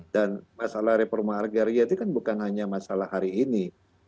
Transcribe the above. dan masalah reforma agraria itu kan bukan hanya masalah hari ini